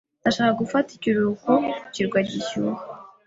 Ndashaka gufata ikiruhuko ku kirwa gishyuha.